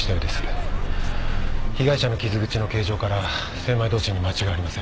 被害者の傷口の形状から千枚通しに間違いありません。